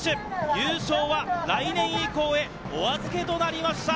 優勝は来年以降へお預けとなりました。